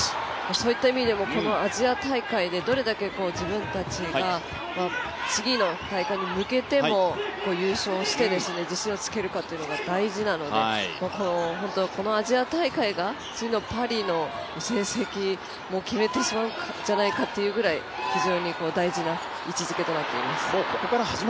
そういった意味でもこのアジア大会でどれだけ自分たちが次の大会に向けて優勝して自信をつけるかというのが大事なので、このアジア大会が次のパリの戦績を決めてしまうんじゃないかというぐらい非常に大事な位置づけとなっています。